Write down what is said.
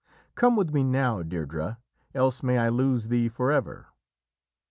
Come with me now, Deirdrê, else may I lose thee forever."